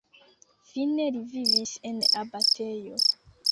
Fine li vivis en abatejo.